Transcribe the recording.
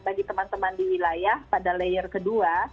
bagi teman teman di wilayah pada layer kedua